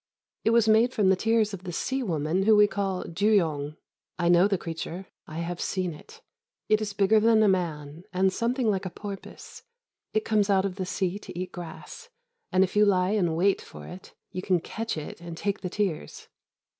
It was made from the tears of the sea woman whom we call dûyong. I know the creature. I have seen it. It is bigger than a man, and something like a porpoise. It comes out of the sea to eat grass, and, if you lie in wait for it, you can catch it and take the tears.